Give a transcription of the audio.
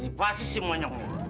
ini pasti si monyoknya